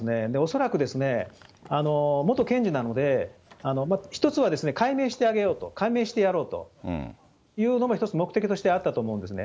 恐らく、元検事なので、一つは解明してあげようと、解明してやろうというのも一つ目的としてあったと思うんですね。